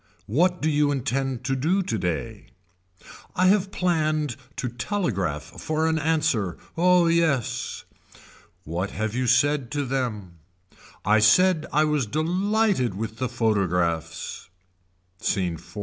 What do you intend to do today. I have planned to telegraph for an answer, Oh yes. What have you said to them. I said I was delighted with the photographs. Scene IV.